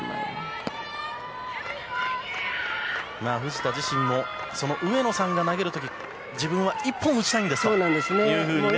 藤田自身も上野さんが投げる時自分は１本打ちたいんですというふうにね。